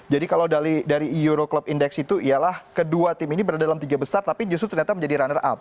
kalau dari euro club index itu ialah kedua tim ini berada dalam tiga besar tapi justru ternyata menjadi runner up